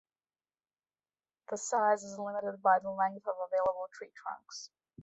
Their size is limited by the length of available tree trunks.